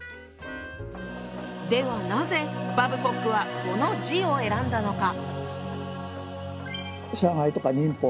ではなぜバブコックはこの字を選んだのか？